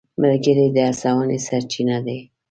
ملګري د هڅونې سرچینه دي.